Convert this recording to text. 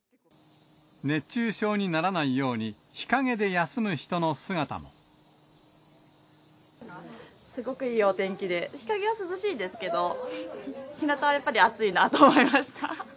熱中症にならないように、すごくいいお天気で、日陰は涼しいですけど、ひなたはやっぱり暑いなと思いました。